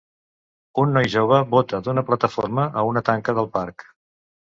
un noi jove bota d'una plataforma a una tanca del parc